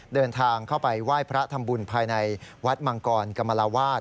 เดินทางเข้าไปไหว้พระทำบุญภายในวัดมังกรกรรมลาวาส